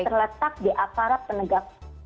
terletak di aparat penegak